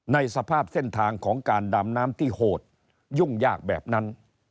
ในสภาพเส้นทางของการดำน้ำที่โหดยุ่งยากแบบนั้น